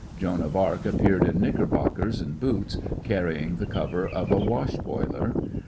Joan of Arc appeared in knickerbockers and boots, carry ing the cover of a wash boiler.